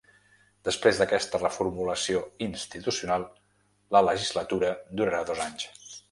Després d’aquesta reformulació institucional, la legislatura durarà dos anys.